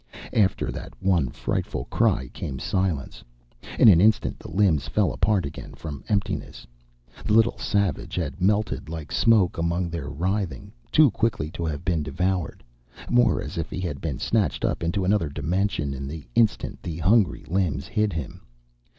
After that one frightful cry came silence. In an instant the limbs fell apart again from emptiness. The little savage had melted like smoke among their writhing, too quickly to have been devoured, more as if he had been snatched into another dimension in the instant the hungry limbs hid him.